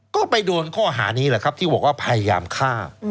ก็ไปโดนข้อหานี้แหละครับที่บอกว่าพยายามฆ่า